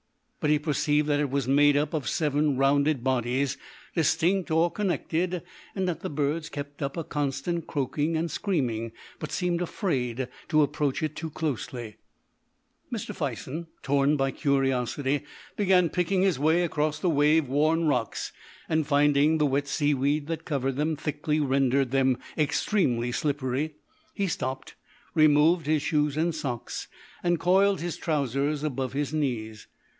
But he perceived that it was made up of seven rounded bodies, distinct or connected, and that the birds kept up a constant croaking and screaming, but seemed afraid to approach it too closely. Mr. Fison, torn by curiosity, began picking his way across the wave worn rocks, and, finding the wet seaweed that covered them thickly rendered them extremely slippery, he stopped, removed his shoes and socks, and coiled his trousers above his knees.